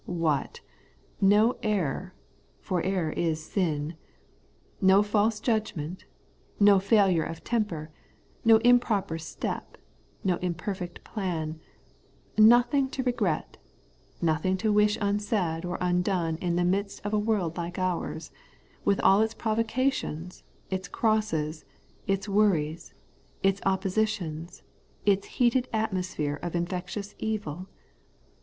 What ! no error (for error is sm), no false judgment, no failure of temper, no improper step, no imperfect plan ; nothing to regret, nothing to wish unsaid or undone in the midst of a world like ours, with all its provocations, its crosses, its worries, its opposi tions, its heated atmosphere of infectious evil